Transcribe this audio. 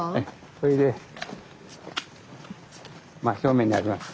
それで真っ正面にあります。